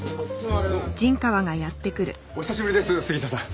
お久しぶりです杉下さん。